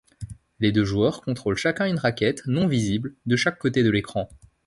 Les deux joueurs contrôlent chacun une raquette, non visible, de chaque côté de l'écran.